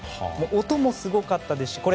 音もすごかったですし。